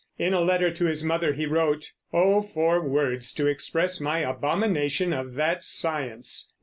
In a letter to his mother he wrote: "Oh for words to express my abomination of that science....